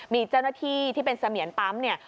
มีเจ้าหน้าที่ที่เป็นเสมียนปั๊มเนี่ย